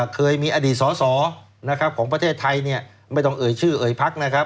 เคยมีอดีตสอของประเทศไทยไม่ต้องเอ่ยชื่อเอ่ยพัก